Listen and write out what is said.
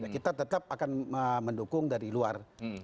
kita tetap akan mendukung dari luar